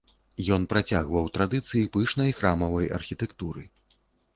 Ён працягваў традыцыі пышнай храмавай архітэктуры.